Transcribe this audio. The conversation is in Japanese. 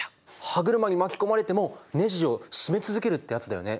歯車に巻き込まれてもネジを締め続けるってやつだよね。